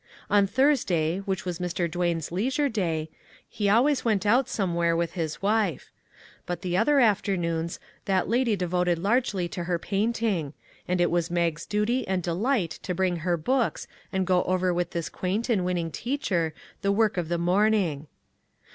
On Thursday, which was Mr. Duane's leisure day, he always went out somewhere with his wife; but the other afternoons that lady devoted 35 MAG AND MARGARET largely to her painting, and it was Mag's duty and delight to bring her books and go over with this quaint and winning teacher the work of the morning.